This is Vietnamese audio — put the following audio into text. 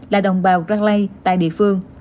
là đồng bào rangley tại địa phương